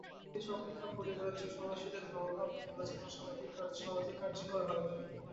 অন্য সব কিছু অপেক্ষা পরিব্রাজক সন্ন্যাসীদের ধর্মভাব ও ধর্মজীবন সমধিক কার্যকর হবে।